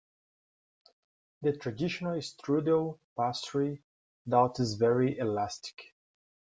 The traditional strudel pastry dough is very elastic.